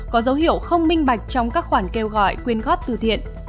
có dấu hiệu không minh bạch trong các khoản kêu gọi quyên góp từ thiện